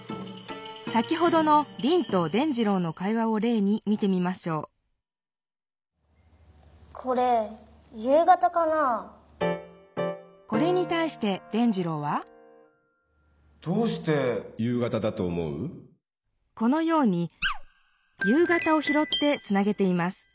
先ほどのリンと伝じろうの会話をれいに見てみましょうこれにたいして伝じろうはこのように「夕方」をひろってつなげています。